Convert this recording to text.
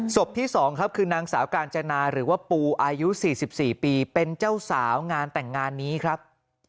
ศพที่๒ครับคือนางสาวกาญจนาหรือว่าปูอายุ๔๔ปีเป็นเจ้าสาวงานแต่งงานนี้ครับ